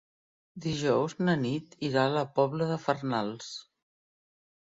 Dijous na Nit irà a la Pobla de Farnals.